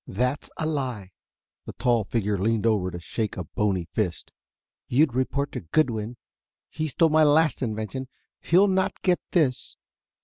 "That's a lie." The tall figure leaned over to shake a bony fist. "You'd report to Goodwin. He stole my last invention. He'll not get this."